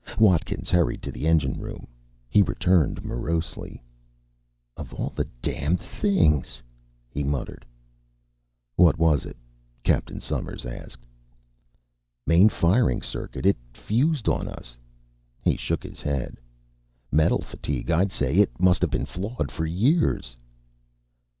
Watkins hurried to the engine room. He returned morosely. "Of all the damn things," he muttered. "What was it?" Captain Somers asked. "Main firing circuit. It fused on us." He shook his head. "Metal fatigue, I'd say. It must have been flawed for years."